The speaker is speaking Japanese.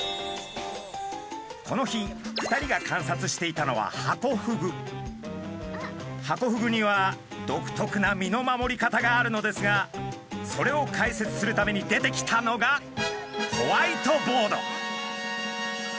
この日２人が観察していたのはハコフグには独特な身の守り方があるのですがそれを解説するために出てきたのがホワイトボード！